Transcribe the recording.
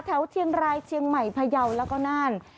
แถวเทียงรายเทียงใหม่พะเยาแล้วก็นาน